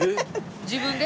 自分で？